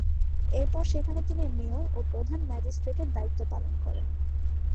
এরপর সেখানে তিনি মেয়র ও প্রধান ম্যাজিস্ট্রেটের দায়িত্ব পালন করেন।